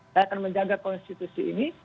saya akan menjaga konstitusi ini